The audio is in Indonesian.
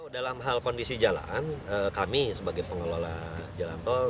dalam hal kondisi jalan kami sebagai pengelola jalan tol